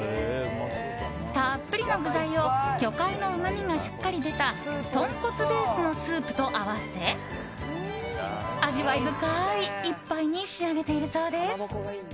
たっぷりの具材を魚介のうまみがしっかり出たとんこつベースのスープと合わせ味わい深い１杯に仕上げているそうです。